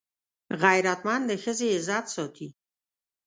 غیرتمند د ښځې عزت ساتي